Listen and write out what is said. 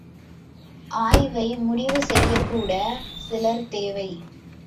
ஆய்வை முடிவு செய்யக்கூட சிலர் தேவை!